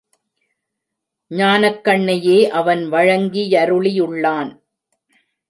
ஞானக் கண்னையே அவன் வழங்கியருளியுள்ளான்.